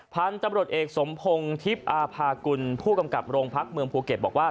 พันธุ์จำบริสิทธิ์สมพงษ์ทิศอภากุลผู้กำกับโรงพรรคเมืองภูเก็บบอกว่า